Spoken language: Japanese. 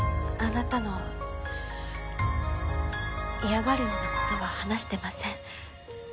あなたの嫌がるような事は話してません。